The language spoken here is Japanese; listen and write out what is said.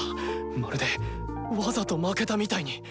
まるでわざと負けたみたいに。